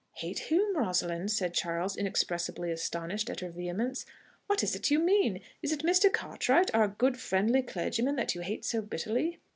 "Hate whom, Rosalind?" said Charles, inexpressibly astonished at her vehemence. "What is it you mean?... Is it Mr. Cartwright, our good friendly clergyman, that you hate so bitterly?"